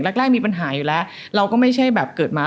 แรกมีปัญหาอยู่แล้วเราก็ไม่ใช่แบบเกิดมา